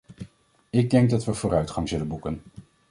Ik denk dat we vooruitgang zullen boeken.